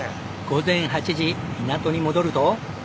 午前８時港に戻ると。